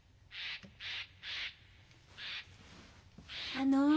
あの。